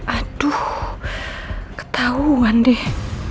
aduh ketauan deh